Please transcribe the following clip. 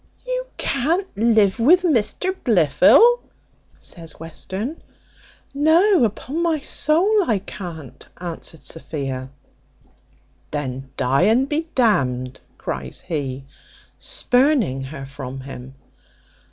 "You can't live with Mr Blifil?" says Western. "No, upon my soul I can't," answered Sophia. "Then die and be d d," cries he, spurning her from him.